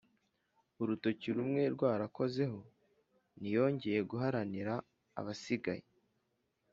urutoki rumwe rwarakozeho; ntiyongeye guharanira abasigaye!